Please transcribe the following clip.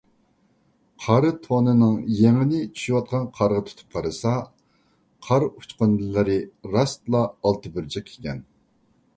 قارا تونىنىڭ يېڭىنى چۈشۈۋاتقان قارغا تۇتۇپ قارىسا، قار ئۇچقۇندىلىرى راستلا ئالتە بۇرجەك ئىكەن.